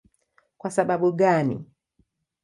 Kwa sababu gani?